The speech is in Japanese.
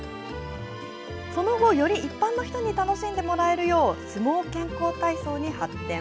その後、より一般の人に楽しんでもらえるよう、相撲健康体操に発展。